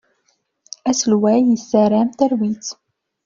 Aselway yessaram talwit.